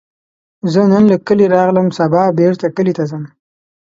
زه نن له کلي راغلم، سبا بیرته کلي ته ځم